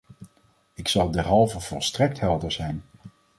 Ik zal derhalve volstrekt helder zijn.